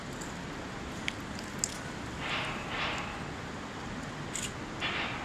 El nombre de la pareja se debió al luchador profesional estadounidense Razor Ramon.